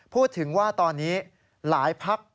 พูดถึงว่าตอนนี้หลายพัก